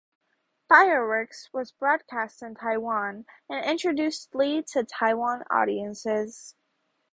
"Fireworks" was broadcast in Taiwan, and introduced Lee to Taiwan audiences.